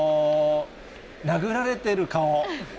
殴られている顔。